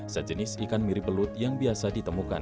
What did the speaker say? sejenis ikan mirip belut yang biasa ditemukan